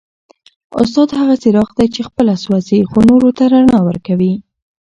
استاد هغه څراغ دی چي خپله سوځي خو نورو ته رڼا ورکوي.